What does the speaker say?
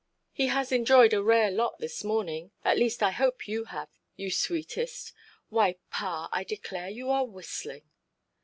"He has enjoyed a rare lot this morning. At least I hope you have, you sweetest. Why, pa, I declare you are whistling"!